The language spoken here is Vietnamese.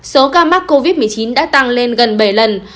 số ca mắc covid một mươi chín đã tăng lên gần bảy lần